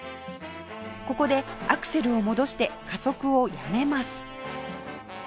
ここでアクセルを戻して加速をやめます